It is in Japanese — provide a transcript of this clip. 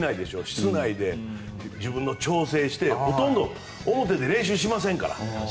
室内で自分の調整をしてほとんど表で練習しませんから。